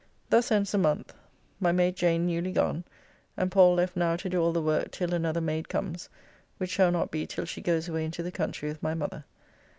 Thus ends the month. My maid Jane newly gone, and Pall left now to do all the work till another maid comes, which shall not be till she goes away into the country with my mother.